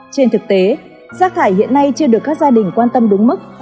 trên thực tế rác thải hiện nay chưa được các gia đình quan tâm đúng mức